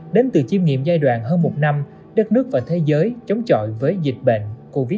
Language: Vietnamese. đến từ chiêm nghiệm giai đoạn hơn một năm đất nước và thế giới chống chọi với dịch bệnh covid một mươi chín